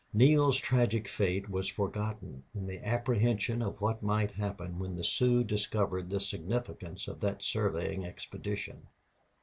Neale's tragic fate was forgotten in the apprehension of what might happen when the Sioux discovered the significance of that surveying expedition.